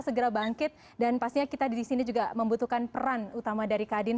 segera bangkit dan pastinya kita disini juga membutuhkan peran utama dari kadir